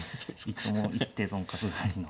いつも一手損角換わりの。